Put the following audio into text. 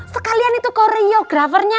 sekalian itu koreografernya